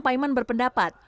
pak iman berpendapat